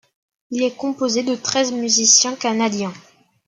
Il est composé de treize musiciens canadiens.